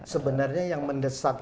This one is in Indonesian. sebenarnya yang mendesak